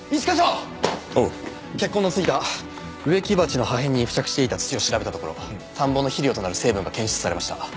血痕の付いた植木鉢の破片に付着していた土を調べたところ田んぼの肥料となる成分が検出されました。